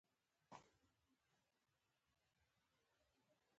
نیکه د خپلو ماشومانو لپاره یوه قوي دښمن دی چې هیڅکله یې نه پرېږدي.